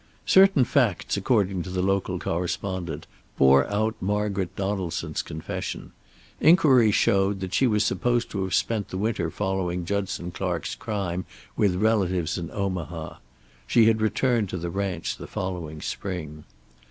Certain facts, according to the local correspondent, bore out Margaret Donaldson's confession. Inquiry showed that she was supposed to have spent the winter following Judson Clark's crime with relatives in Omaha. She had returned to the ranch the following spring.